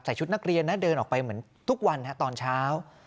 ชุดนักเรียนนะเดินออกไปเหมือนทุกวันตอนเช้า